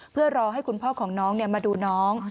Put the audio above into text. เพื่อรอให้คุณพ่อของน้องมาดูน้อง